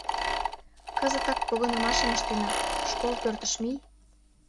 Кызытак погынымашым ыштена, школ пӧртыш мий...